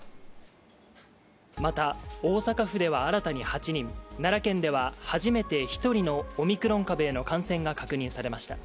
また、大阪府では新たに８人奈良県では１人のオミクロン株への感染が確認されました。